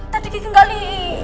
tadi ki kengali